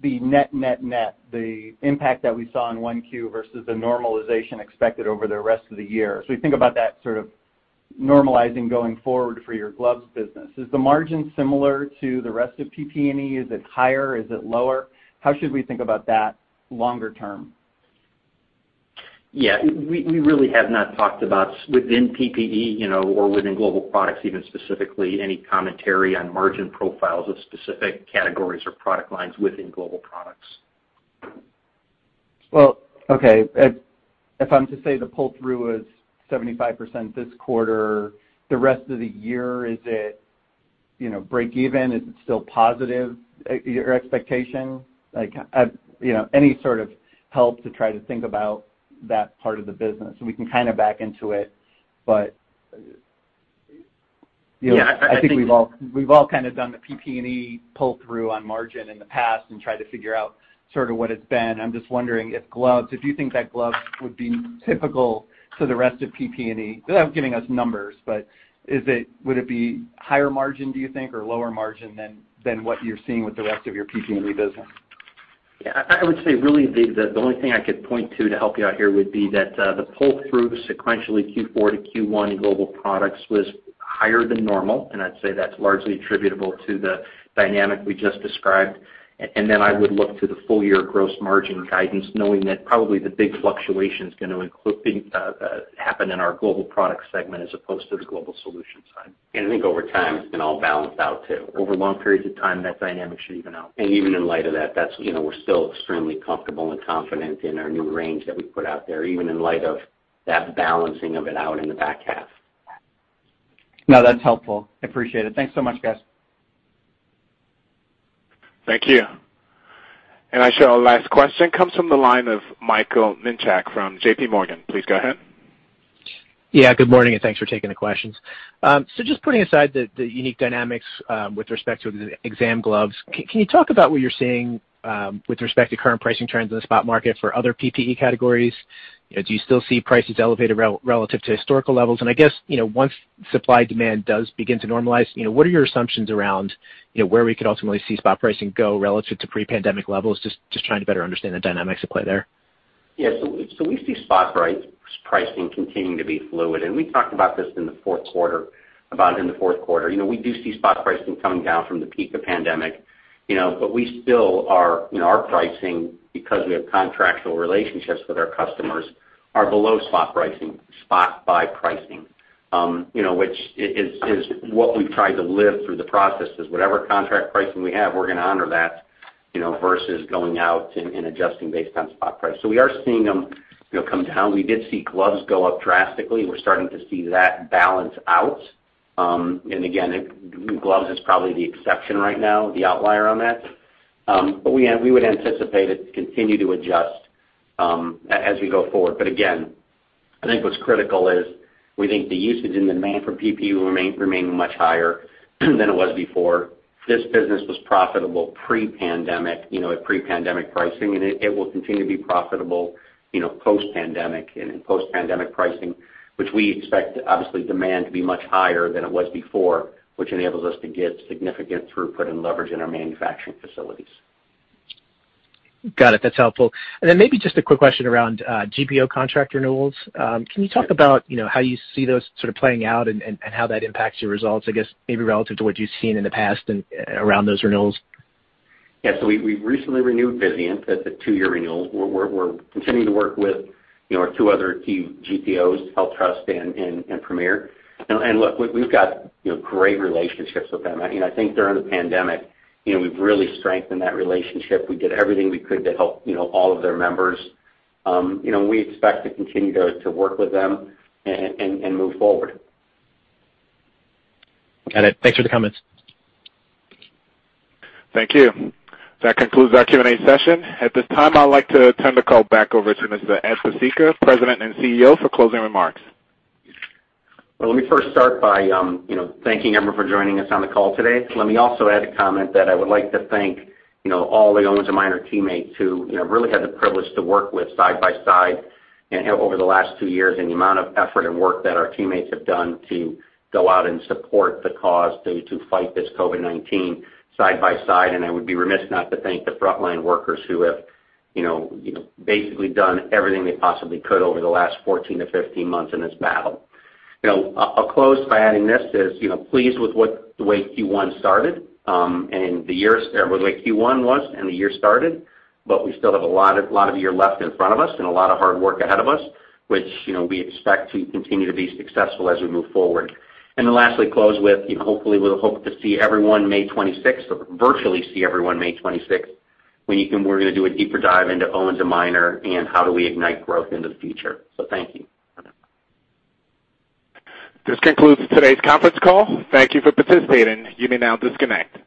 the net impact that we saw in 1Q versus the normalization expected over the rest of the year, if we think about that sort of normalizing going forward for your gloves business, is the margin similar to the rest of PPE? Is it higher ?Is it lower? How should we think about that longer term? Yeah, we really have not talked about within PPE or within Global Products even specifically, any commentary on margin profiles or specific categories or product lines within Global Products. Well, okay, if I'm to say the pull-through was 75% this quarter, the rest of the year, is it break-even? Is it still positive expectation? Any sort of help to try to think about that part of the business? We can kind of back into it, we've all kind of done the PPE pull-through on margin in the past and tried to figure out sort of what it's been. I'm just wondering if gloves, do you think that gloves would be typical for the rest of PPE? Without giving us numbers, is it higher margin, do you think, or lower margin than what you're seeing with the rest of your PPE business? Yeah, I would say really the only thing I could point to help you out here would be that the pull-through sequentially Q4-Q1 in Global Products was higher than normal, and I'd say that's largely attributable to the dynamic we just described. And then I would look to the full year gross margin guidance, knowing that probably the big fluctuations going to happen in our Global Products segment as opposed to the Global Solutions side. And over time, it's going to all balance out too. Over long periods of time, that dynamic is enough. And even in light of that, we're still extremely comfortable and confident in our new range that we put out there, even in light of balancing of it out in the back half. No, that's helpful. I appreciate it. Thanks so much, guys. Thank you. And our last question comes from the line of Michael Minchak from JPMorgan. Please go ahead. Yeah, good morning, and thanks for taking the questions. Just putting aside the unique dynamics with respect to the exam gloves, can you talk about what you're seeing with respect to current pricing trends in the spot market for PPE categories? Do you still see prices elevated relative to historical levels? And I guess once supply-demand does begin to normalize, what are your assumptions around where we could ultimately see spot pricing go relative to pre-pandemic levels just to try to better understand the dynamics of play there? Yeah, we see spot pricing continue to be fluid, and we talked about this in the fourth quarter. We did see spot pricing come down from the peak of the pandemic, we still are, you know, our pricing because we have contractual relationships with our customers are below spot pricing, spot buy pricing. What we've tried to live through the process is whatever contract pricing we have, we're going to honor that versus going out and adjusting based on spot pricing. We are seeing them come down. We did see gloves go up drastically. We're starting to see that balance out. Gloves is probably the exception right now, the outlier on that. We would anticipate it to continue to adjust as we go forward. What's critical is we think the usage and demand for PPE will remain much higher than it was before. This business was profitable pre-pandemic at pre-pandemic pricing, and it will continue to be profitable. Post-pandemic and in post-pandemic pricing, which we expect, obviously, demand to be much higher than it was before, which enables us to get significant throughput and leverage in our manufacturing facilities. Got it. That's helpful. Maybe just a quick question around GPO contract renewals. Can you talk about how you see those sort of playing out and how that impacts your results, I guess, maybe relative to what you've seen in the past and around those renewals? Yeah. We recently renewed Vizient. That's a two-year renewal. We're continuing to work with our two other key GPOs, HealthTrust and Premier. Look, we've got great relationships with them. I think during the pandemic we've really strengthened that relationship. We did everything we could to help all of their members. We expect to continue to work with them and move forward. Got it. Thanks for the comments. Thank you. That concludes our Q&A session. At this time, I'd like to turn the call back over to Mr. Ed Pesicka, President and CEO, for closing remarks. Well, let me first start by thanking everyone for joining us on the call today. Let me also add a comment that I would like to thank all the Owens & Minor teammates who I really had the privilege to work with side by side over the last two years, and the amount of effort and work that our teammates have done to go out and support the cause to fight this COVID-19 side by side. I would be remiss not to thank the frontline workers who have basically done everything they possibly could over the last 14 months-15 months in this battle. I'll close by adding this. We are pleased with the way Q1 was and the year started. We still have a lot of the year left in front of us and a lot of hard work ahead of us, which we expect to continue to be successful as we move forward. Lastly, we'll hope to see everyone May 26th, or virtually see everyone May 26th, when we're going to do a deeper dive into Owens & Minor and how do we ignite growth into the future. Thank you. This concludes today's conference call. Thank Thank you for participating. You may now disconnect.